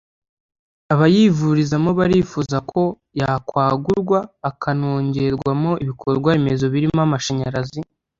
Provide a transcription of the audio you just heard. abayivurizamo barifuza ko yakwagurwa akanongerwamo ibikorwa remezo birimo amashanyarazi